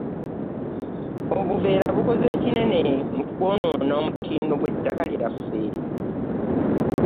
Obuveera bukoze kinene mu kwonoona omutindo gww'ettaka lyaffe.